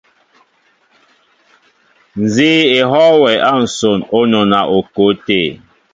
Nzi éhoo wɛ a nson o nɔna o ko té.